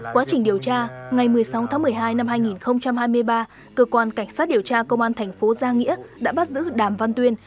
quá trình điều tra ngày một mươi sáu tháng một mươi hai năm hai nghìn hai mươi ba cơ quan cảnh sát điều tra công an thành phố giang nghĩa đã bắt giữ đàm văn tuyên